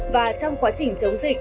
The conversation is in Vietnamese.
và trong quá trình chống dịch tại việt nam